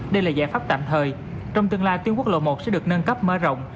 đây là giải pháp tạm thời trong tương lai tuyến quốc lộ một sẽ được nâng cấp mở rộng